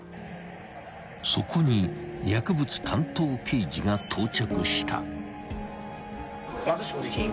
［そこに薬物担当刑事が到着した］